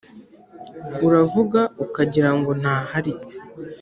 Uravuga ukagira ngo ntahari